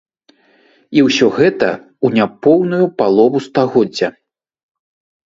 І ўсё гэта ў няпоўную палову стагоддзя.